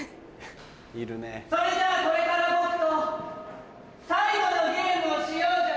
それじゃあこれから僕と最後のゲームをしようじゃ。